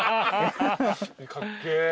かっけぇ。